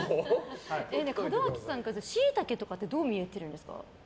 門脇さんからシイタケとかってどう見えてるんですか？